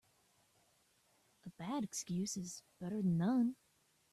A bad excuse is better then none.